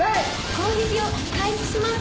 攻撃を開始します